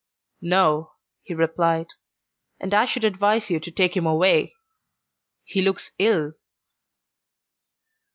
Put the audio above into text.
"No," he replied, "and I should advise you to take him away. He looks ill."